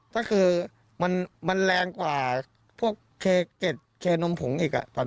ถ้าคือมันมันแล้วกว่าพวกเกณฑบผมอีกได้